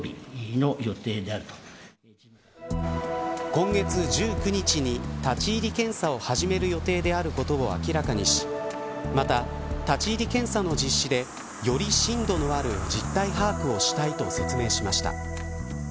今月１９日に立ち入り検査を始める予定であることを明らかにしまた、立ち入り検査の実施でより深度のある実態把握をしたいと発言しました。